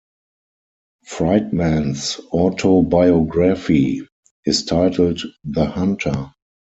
Friedman's autobiography is titled "The Hunter".